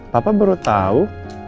papa baru tau